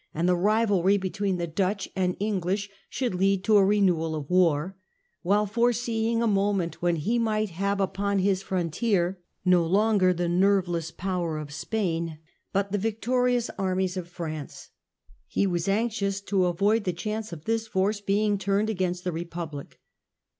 and the rivalry between the Dutch and English should lead to a renewal of war ; while, foreseeing a moment when he might have upon his frontier no longer the nerveless power of Spain but the victorious armies of France, he was anxious to avoid the chance of this force being turned against the Republic.